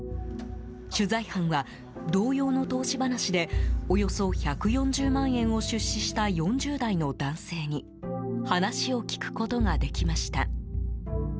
取材班は、同様の投資話でおよそ１４０万円を出資した４０代の男性に話を聞くことができました。